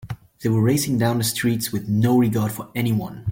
They were racing down the streets with no regard for anyone.